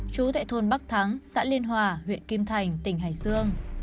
chú tại thôn bắc thắng xã liên hòa huyện kim thành tỉnh hải dương